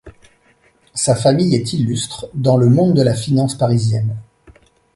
Sa famille est illustre dans le monde de la finance parisienne.